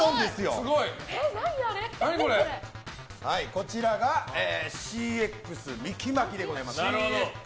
こちらがＣＸミキ・マキでございます。